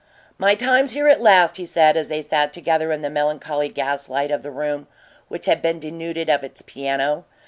"My time's here at last," he said, as they sat together in the melancholy gas light of the room which had been denuded of its piano.